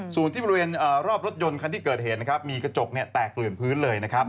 ส่วนที่บริเวณรอบรถยนต์คันที่เกิดเหตุมีกระจกแตกเกลือปื้นเลย